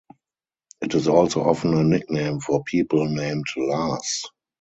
It is also often a nickname for people named Lars.